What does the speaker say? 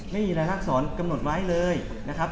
นี่ลายลากศาลกำหนดไว้เลยนะครับ